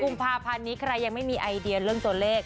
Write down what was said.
กุมภาพันธ์นี้ใครยังไม่มีไอเดียเรื่องตัวเลข